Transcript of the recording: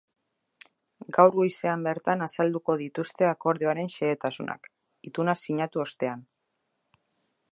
Gaur goizean bertan azalduko dituzte akordioaren xehetasunak, ituna sinatu ostean.